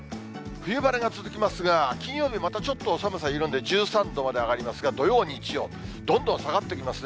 冬晴れが続きますが、金曜日、またちょっと寒さ緩んで１３度まで上がりますが、土曜、日曜、どんどん下がってきますね。